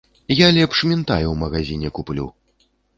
Я лепш мінтай ў магазіне куплю.